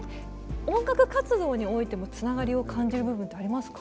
音楽活動においても繋がりを感じる部分ってありますか？